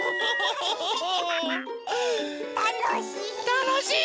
たのしい！